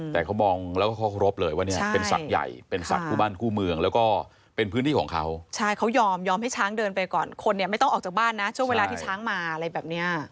แต่เขามองแล้วก็เคารพเลยว่าเนี่ยเป็นสัตว์ใหญ่